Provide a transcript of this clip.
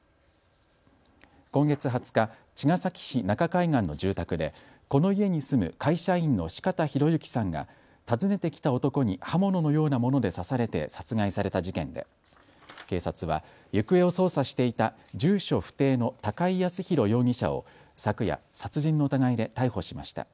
今月２０日、茅ヶ崎市中海岸の住宅でこの家に住む会社員の四方洋行さんが訪ねてきた男に刃物のようなもので刺されて殺害された事件で警察は行方を捜査していた住所不定の高井靖弘容疑者を昨夜、殺人の疑いで逮捕しました。